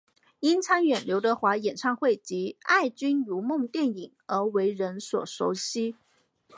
因参演刘德华演唱会及爱君如梦电影而为人所熟悉。